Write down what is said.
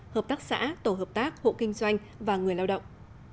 hợp tác xã tổ hợp tác hộ kinh doanh và người lao động